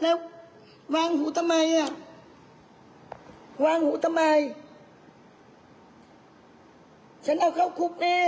แล้ววางหูทำไมอ่ะวางหูทำไมฉันเอาเข้าคุกแน่